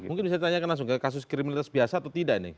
mungkin bisa ditanyakan langsung ke kasus kriminalitas biasa atau tidak ini